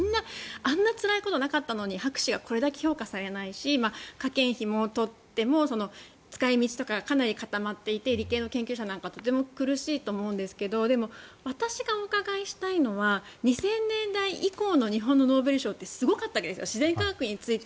あんなつらいことなかったのに博士がこれだけ評価されないし科研費を取っても使い道とかかなり固まっていて理系の研究者とか苦しいと思うんですが私がお伺いしたいのは２０００年代以降の日本のノーベル賞ってすごかったんですよ。